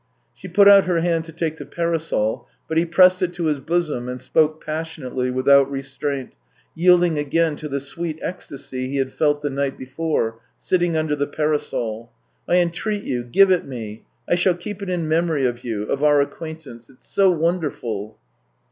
She put out her hand to take the parasol, but he pressed it to his bosom and spoke passionately, without restraint, yielding again to the sweet ecstasy he had felt the night before, sitting under the parasol. " I entreat you, give it me. I shall keep it in memory of you ... of our acquaintance. It's so wonderful